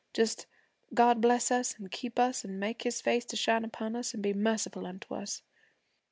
Just "God bless us an' keep us an' make his face to shine upon us and be merciful unto us."